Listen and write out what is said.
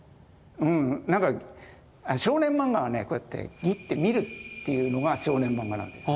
なんか少年漫画はねこうやってギッて見るっていうのが少年漫画なんです。